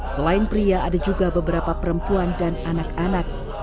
selain pria ada juga beberapa perempuan dan anak anak